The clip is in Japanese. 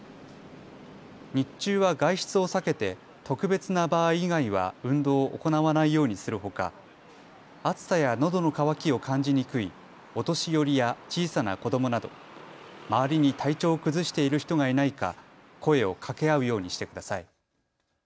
日中は外出を避けて特別な場合以外は運動を行わないようにするほか暑さやのどの渇きを感じにくいお年寄りや小さな子どもなど周りに体調を崩している人がいないか、声をかけ合うようにしてください。